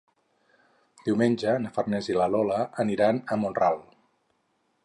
Diumenge na Farners i na Lola aniran a Mont-ral.